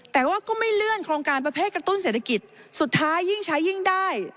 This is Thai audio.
แต่ว่าก็ไม่เลื่อนโครงการประเภทกระตุ้นเศรษฐกิจสุดท้ายยิ่งใช้ยิ่งได้